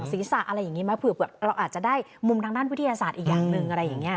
เส้นผมหลังศีรษะหรืออาจจะได้มุมด้านวิทยาศาสตร์อีกอย่างหนึ่ง